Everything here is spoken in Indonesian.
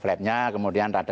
flapnya kemudian rada